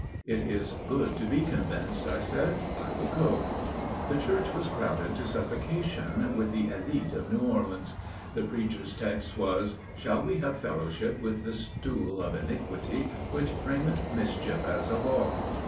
"It is good to be convinced," I said; "I will go." The church was crowded to suffocation with the élite of New Orleans. The preacher's text was, "Shall we have fellowship with the stool of iniquity which frameth mischief as a law?"